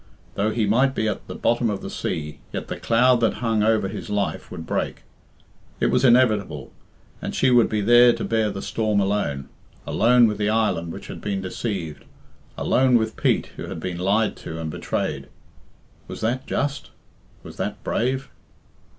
Though he might be at the bottom of the sea, yet the cloud that hung over his life would break. It was inevitable. And she would be there to bear the storm alone alone with the island which had been deceived, alone with Pete, who had been lied to and betrayed. Was that just? Was that brave?